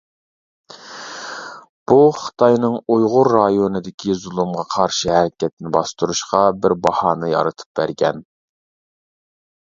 بۇ خىتاينىڭ ئۇيغۇر رايونىدىكى زۇلۇمغا قارشى ھەرىكەتنى باستۇرۇشقا بىر باھانە يارىتىپ بەرگەن.